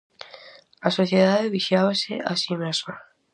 A sociedade vixiábase a si mesma.